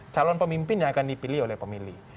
calon pemimpin yang akan dipilih oleh pemilih